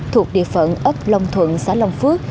thuộc địa phận ấp long thuận xã long phước